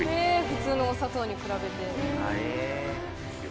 普通のお砂糖に比べて。